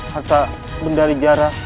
harta bendali jarak